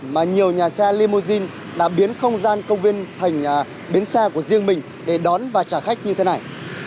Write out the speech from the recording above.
mà nhiều nhà xe limousine đã biến không gian công viên thành bến xe của riêng mình để đón và trả khách như thế này